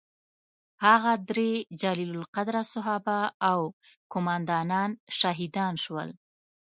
هغه درې جلیل القدره صحابه او قوماندانان شهیدان شول.